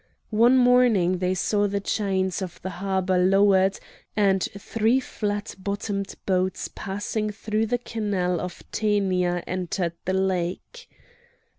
One morning they saw the chains of the harbour lowered, and three flat bottomed boats passing through the canal of Tænia entered the lake.